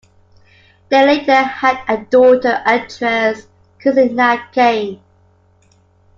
They later had a daughter, actress Krisinda Cain.